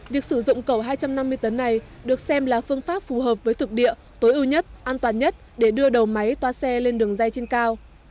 việc sử dụng cầu hai trăm năm mươi tấn này được xem là phương pháp phù hợp với thực địa tối ưu nhất an toàn nhất để đưa đầu máy toa xe lên đường dây trên cao